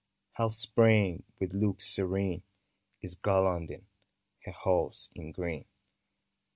— how Spring, with look serene. Is garlanding her halls in green